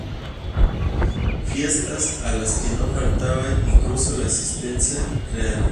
Fiestas a las que no faltaba incluso la asistencia real.